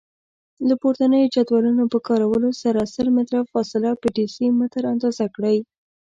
له پورتنیو جدولونو په کارولو سره سل متره فاصله په ډیسي متره اندازه کړئ.